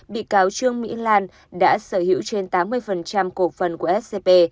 bị cáo trương mỹ lan đã sở hữu trên tám mươi cổ phần của scp